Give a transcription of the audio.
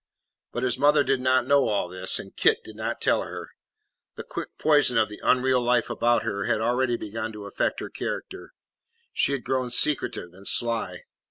But his mother did not know all this, and Kit did not tell her. The quick poison of the unreal life about her had already begun to affect her character. She had grown secretive and sly.